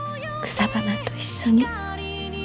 草花と一緒に。